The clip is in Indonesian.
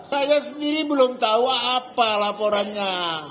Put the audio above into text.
saya sendiri belum tahu apa laporannya